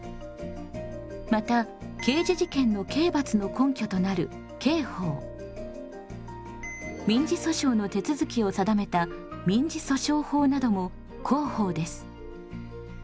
また刑事事件の刑罰の根拠となる刑法民事訴訟の手続きを定めた民事訴訟法なども公法です。